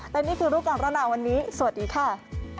และนี่คือรูปการณ์หนาวันนี้สวัสดีค่ะ